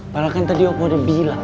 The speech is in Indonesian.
malah kan tadi opa udah bilang